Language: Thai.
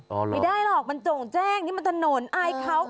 ไม่ได้หรอกมันโจ่งแจ้งนี่มันถนนอายเขา